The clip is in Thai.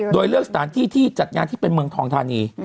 โดยเลือกสถานที่ที่จัดงานที่เป็นเมืองทองธานี